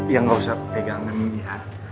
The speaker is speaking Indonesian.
ya nggak usah pegangan melihat